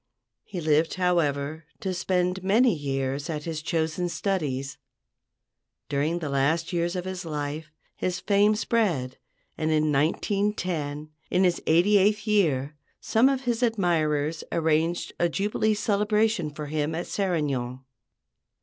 He lived, however, to spend many years at his chosen studies. During the last years of his life his fame spread, and in 1910, in his eighty eighth year, some of his admirers arranged a jubilee celebration for him at Serignan.